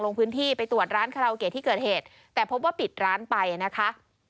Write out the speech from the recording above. ลงพื้นที่ไปตรวจร้านคาราโอเกะที่เกิดเหตุแต่พบว่าปิดร้านไปนะคะ